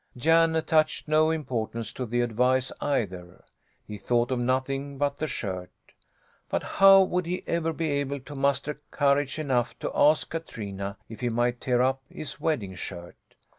Jan attached no importance to the advice, either. He thought of nothing but the shirt. But how would he ever be able to muster courage enough to ask Katrina if he might tear up his wedding shirt?